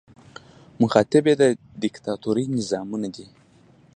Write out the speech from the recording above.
مخاطب یې دیکتاتوري نظامونه دي.